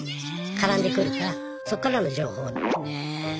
絡んでくるからそっからの情報。ねぇ。